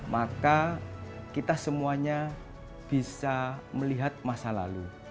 maka kita semuanya bisa melihat masa lalu